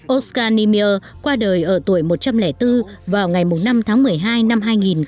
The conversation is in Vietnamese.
oscar niemeyer qua đời ở tuổi một trăm linh bốn vào ngày năm tháng một mươi hai năm hai nghìn một mươi hai